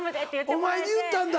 お前に言ったんだ。